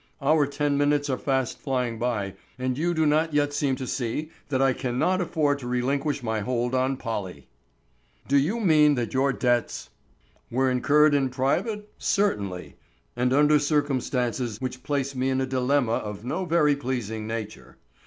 Our ten minutes are fast flying by and you do not yet seem to see that I cannot afford to relinquish my hold on Polly." "Do you mean that your debts——" "Were incurred in private? Certainly, and under circumstances which place me in a dilemma of no very pleasing nature.